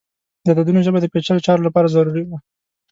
د عددونو ژبه د پیچلو چارو لپاره ضروری وه.